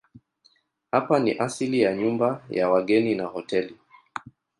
Hapa ni asili ya nyumba ya wageni na hoteli.